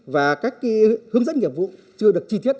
và các hướng dẫn nghiệp vụ chưa được chi tiết